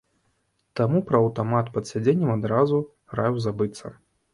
Таму пра аўтамат пад сядзеннем адразу раю забыцца.